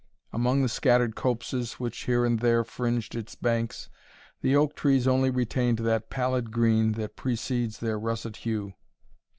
Among the scattered copses which here and there fringed its banks, the oak trees only retained that pallid green that precedes their russet hue.